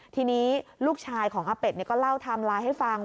ทีนี้ลูกชายของอาเป็ดก็เล่าไทม์ไลน์ให้ฟัง